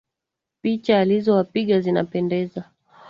Picha alizowapiga zinapendeza